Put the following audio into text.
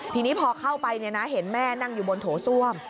ทีนี้พอเข้าไปเห็นแม่นั่งอยู่บนโถส้วม